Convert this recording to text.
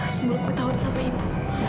sebelum ku tahu siapa ibu